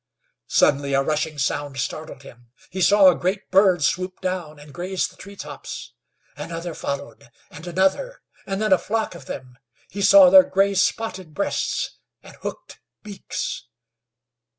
Suddenly a rushing sound startled him. He saw a great bird swoop down and graze the tree tops. Another followed, and another, and then a flock of them. He saw their gray, spotted breasts and hooked beaks.